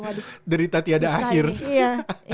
waduh derita tiada akhir susah ya